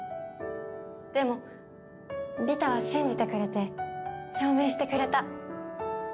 でもリタは信じてくれて証明してくれた。